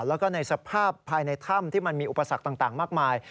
แล้วก็ในสภาพภายในถ้ำที่มันมีอุปสรรคต่างมากมาย